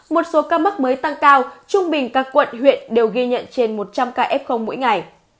một số ca mắc mới tăng cao trung bình các quận huyện đều ghi nhận trên một trăm linh ca f mỗi ngày